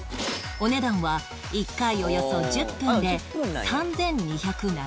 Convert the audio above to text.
お値段は１回およそ１０分で３２７８円